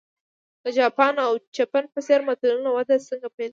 د جاپان او چین په څېر ملتونو وده څنګه پیل کړه.